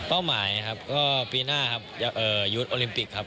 หมายครับก็ปีหน้าครับยุทธ์โอลิมปิกครับ